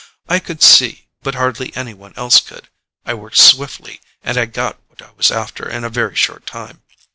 I could see, but hardly anyone else could. I worked swiftly, and I got what I was after in a very short time.